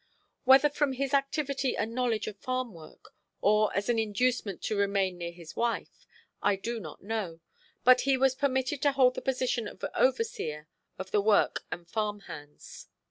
Whether from his activity and knowledge of farm work or as an inducement to remain near his wife, I do not know, but he was permitted to hold the position of overseer of the work and farm hands.